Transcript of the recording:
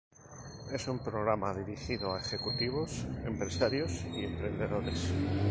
Es un programa dirigido a ejecutivos, empresarios y emprendedores.